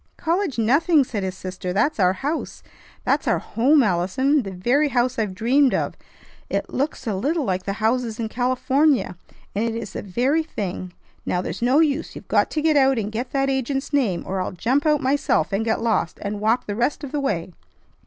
"College nothing!" said his sister. "That's our house. That's our home, Allison. The very house I've dreamed of. It looks a little like the houses in California, and it is the very thing. Now, there's no use; you've got to get out and get that agent's name, or I'll jump out myself, and get lost, and walk the rest of the way!"